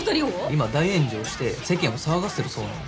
今大炎上して世間を騒がせてるそうなんですよ。